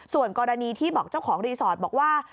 ส่วนกรณีที่บอกเจ้าของรีสอร์ทบอกว่า